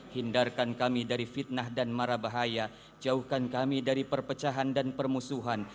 hindarkan kami dari fitnah dan marah bahaya jauhkan kami dari perpecahan dan permusuhan